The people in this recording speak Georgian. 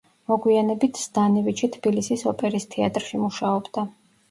მოგვიანებით ზდანევიჩი თბილისის ოპერის თეატრში მუშაობდა.